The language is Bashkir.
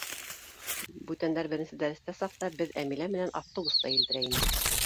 Бүтәндәр беренсе дәрестә саҡта, беҙ Әмилә менән автобуста елдерә инек.